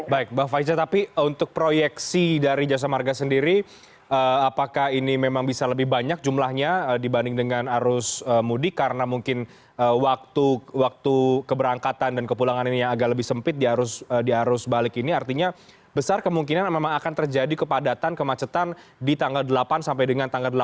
baik mbak faiza tapi untuk proyeksi dari jasa marga sendiri apakah ini memang bisa lebih banyak jumlahnya dibanding dengan arus mudik karena mungkin waktu keberangkatan dan kepulangan ini yang agak lebih sempit di arus balik ini artinya besar kemungkinan memang akan terjadi kepadatan kemacetan di tanggal delapan sampai dengan tanggal sembilan belas